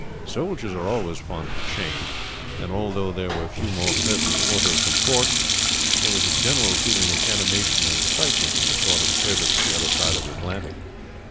Soldiers are always fond of change; and although there were few more pleasant quarters than Cork, there was a general feeling of animation and excitement at the thought of service at the other side of the Atlantic.